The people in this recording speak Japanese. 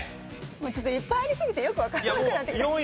ちょっといっぱいありすぎてよくわからなくなってきた。